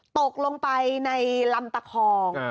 ตกลงไปในลำตะคอง